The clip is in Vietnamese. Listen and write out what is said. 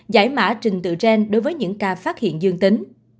giải mã trình tự gen đối với những ca phát hiện dương tính